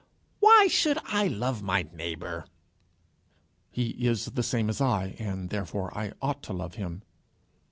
"Why should I love my neighbour?" "He is the same as I, and therefore I ought to love him."